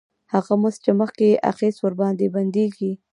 هغه مزد چې مخکې یې اخیست ورباندې بندېږي